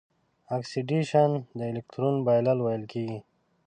اکسیدیشن د الکترون بایلل ویل کیږي.